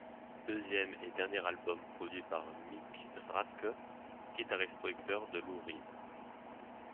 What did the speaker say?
Deuxième et dernier album produit par Mike Rathke, guitariste-producteur de Lou Reed.